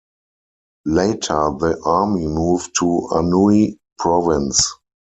Later the army moved to Anhui province.